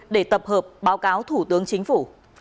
để tập hợp báo cáo thủ tướng chính phủ